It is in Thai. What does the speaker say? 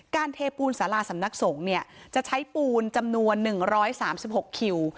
เทปูนสาราสำนักสงฆ์เนี่ยจะใช้ปูนจำนวน๑๓๖คิว